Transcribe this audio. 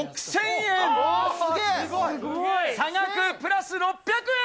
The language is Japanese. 差額プラス６００円。